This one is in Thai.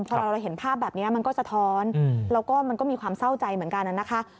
พอเราเห็นภาพแบบนี้มันก็สะท้อนแล้วก็มันก็มีความเศร้าใจเหมือนกันนะคะ